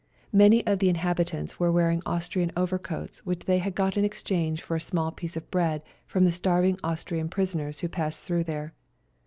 Many of the inhabitants were wearing Austrian overcoats which they had got in exchange for a small piece of bread from the starving Austrian prisoners who passed through there.